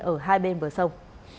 ở hai bên bờ sông